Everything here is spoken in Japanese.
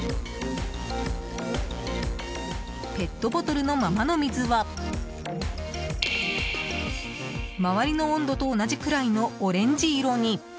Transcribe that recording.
ペットボトルのままの水は周りの温度と同じくらいのオレンジ色に。